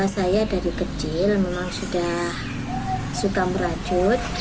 saya dari kecil memang sudah suka meracut